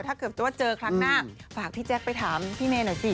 ถ้าเกิดว่าเจอครั้งหน้าฝากพี่แจ๊คไปถามพี่เมย์หน่อยสิ